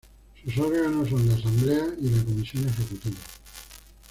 Sus órganos son la Asamblea y la Comisión Ejecutiva.